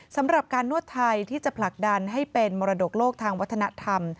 สำหรับการนวดไทยที่จะผลักดันให้เป็นมรดกโลกทางวัฒนธรรม